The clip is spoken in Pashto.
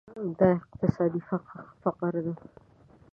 دا اقتصادي فقر ده.